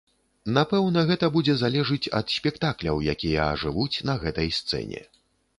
Напэўна, гэта будзе залежыць ад спектакляў, якія ажывуць на гэтай сцэне.